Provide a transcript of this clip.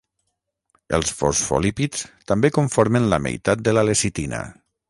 Els fosfolípids també conformen la meitat de la lecitina.